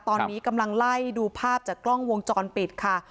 ตอนนี้กำลังไล่ดูภาพจากกล้องวงจรปิดค่ะ